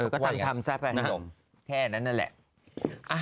ความทำแซ่บแหล่งผลกรรมแค่นั้นแหละ